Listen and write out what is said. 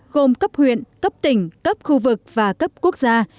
gồm cấp huyện cấp tỉnh cấp khu vực và cấp quốc gia